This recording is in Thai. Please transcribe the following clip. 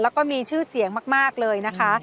แล้วก็มีชื่อเสียงมากเลยนะคะ